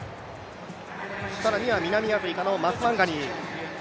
南アフリカのマスワンガニー。